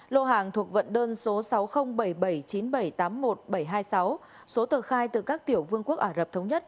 lô hàng thuộc vận đơn số sáu không bảy bảy chín bảy tám một bảy hai sáu số tờ khai từ các tiểu vương quốc ả rập thống nhất